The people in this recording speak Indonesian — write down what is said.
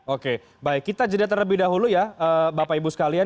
oke baik kita jeda terlebih dahulu ya bapak ibu sekalian